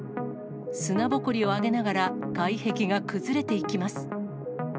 砂ぼこりを上げながら、外壁が崩れていきます。